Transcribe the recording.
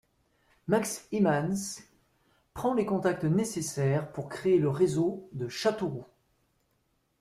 Max Hymans prend les contacts nécessaires pour créer le réseau de Châteauroux.